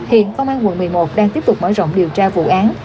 hiện công an quận một mươi một đang tiếp tục mở rộng điều tra vụ án